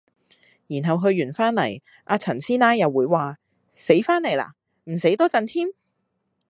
然後去完番嚟,阿陳師奶又會話：死番嚟啦，唔死多陣添?